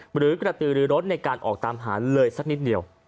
หรือกระตือหรือรถในการออกตามหาเลยสักนิดเดียว